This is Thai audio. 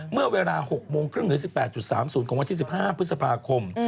เมื่อเวลา๖โมงครึ่งหรือ๑๘๓๐ของวันที่๑๕พฤษภาคม